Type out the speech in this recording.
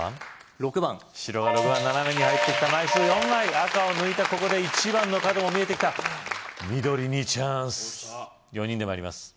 ６番白が６番斜めに入ってきた枚数４枚赤を抜いたここで１番の角も見えてきた緑にチャンス４人で参ります